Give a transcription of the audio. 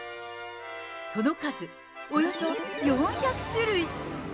その数およそ４００種類。